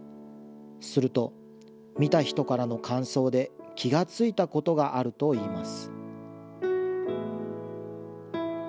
すると、見た人からの感想で、気が付いたことがあるといいます。